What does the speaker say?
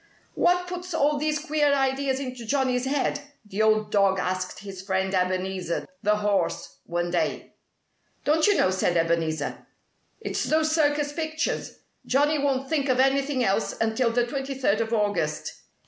"What puts all these queer ideas into Johnnie's head?" the old dog asked his friend Ebenezer, the horse, one day. "Don't you know?" said Ebenezer. "It's those circus pictures. Johnnie won't think of anything else until the twenty third of August."